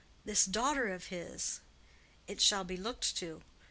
This daughter of his! It shall be looked to.